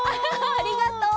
ありがとう。